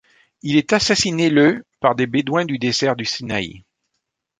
Il est assassiné le par des bédouins du désert du Sinaï.